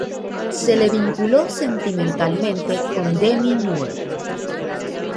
Se le vinculó sentimentalmente con Demi Moore.